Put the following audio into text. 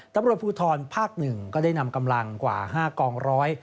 ตำรวจภูทรภาค๑ก็ได้นำกำลังกว่า๕กองร้อย